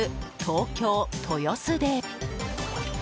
東京・豊洲で。